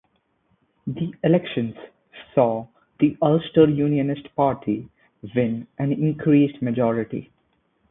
The elections saw the Ulster Unionist Party win an increased majority.